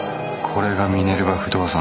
これがミネルヴァ不動産社長鵤聖人。